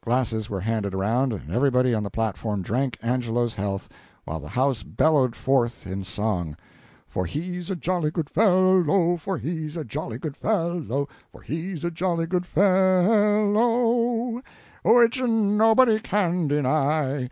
Glasses were handed around, and everybody on the platform drank Angelo's health, while the house bellowed forth in song: For he's a jolly good fel low, For he's a jolly good fel low, For he's a jolly good fe el low, Which nobody can deny.